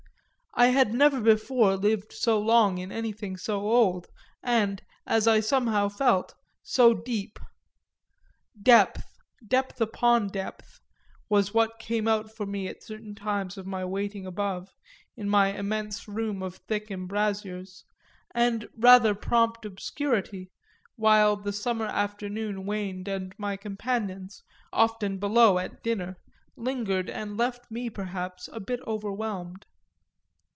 I had never before lived so long in anything so old and, as I somehow felt, so deep; depth, depth upon depth, was what came out for me at certain times of my waiting above, in my immense room of thick embrasures and rather prompt obscurity, while the summer afternoon waned and my companions, often below at dinner, lingered and left me just perhaps a bit overwhelmed.